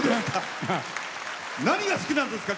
何が好きなんですか？